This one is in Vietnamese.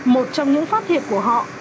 một trong những phát hiện của họ